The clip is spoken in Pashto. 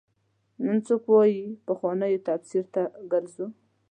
نن څوک وايي پخوانو تفسیر ته ګرځو.